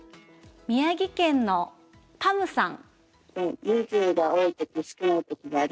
宮城県のぱむさん。